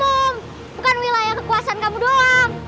belum bukan wilayah kekuasaan kamu doang